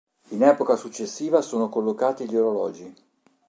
In epoca successiva sono collocati gli orologi.